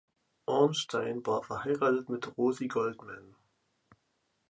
Ornstein war verheiratet mit Rosi Goldmann.